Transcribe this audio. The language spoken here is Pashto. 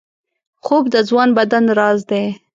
خوب د ځوان بدن راز دی